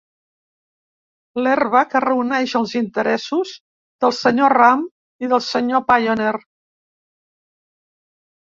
L'herba que reuneix els interessos del senyor Ram i del senyor Pionner.